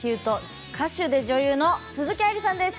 歌手で女優の鈴木愛理さんです。